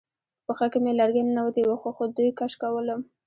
په پښه کې مې لرګی ننوتی و خو دوی کش کولم